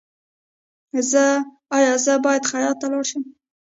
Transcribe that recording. ایا زه باید خیاط ته لاړ شم؟